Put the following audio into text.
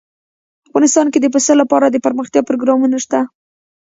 افغانستان کې د پسه لپاره دپرمختیا پروګرامونه شته.